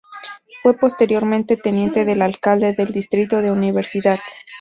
Fue posteriormente teniente de alcalde del distrito de Universidad.